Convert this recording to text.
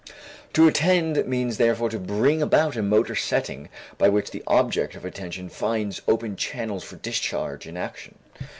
To attend means therefore to bring about a motor setting by which the object of attention finds open channels for discharge in action.